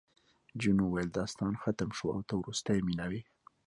جون وویل داستان ختم شو او ته وروستۍ مینه وې